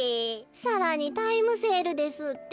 さらにタイムセールですって。